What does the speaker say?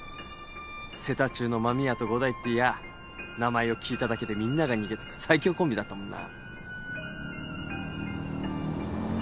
瀬田中の真宮と伍代っていやぁ名前を聞いただけでみんなが逃げてく最強コンビだったもんな。